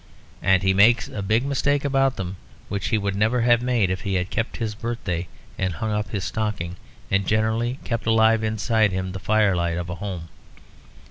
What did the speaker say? And he makes a big mistake about them which he would never have made if he had kept his birthday and hung up his stocking, and generally kept alive inside him the firelight of a home.